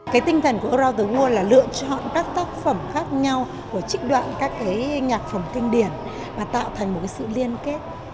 cái tinh thần của arount the world là lựa chọn các tác phẩm khác nhau của trích đoạn các cái nhạc phẩm kinh điển và tạo thành một sự liên kết